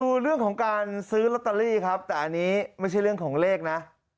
ดูเรื่องของการซื้อลอตเตอรี่ครับแต่อันนี้ไม่ใช่เรื่องของเลขนะ